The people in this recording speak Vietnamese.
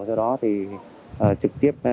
do đó thì trực tiếp